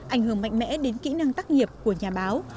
ảnh hưởng mạnh mẽ đến kỹ năng tác nghiệp của nhà báo